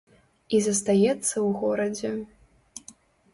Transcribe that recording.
І застаецца ў горадзе.